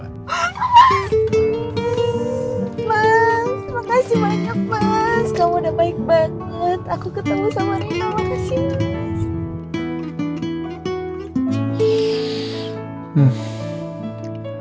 makasih banyak mas kamu udah baik banget aku ketemu sama reina makasih